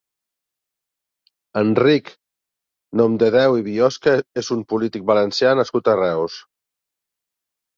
Enric Nomdedéu i Biosca és un polític valencià nascut a Reus.